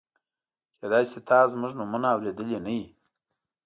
کېدای شي تا زموږ نومونه اورېدلي نه وي.